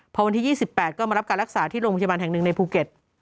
พอวันที่๒๘ก็มารับการรักษาที่โรงพยาบาลแห่งหนึ่งในภูเก็ต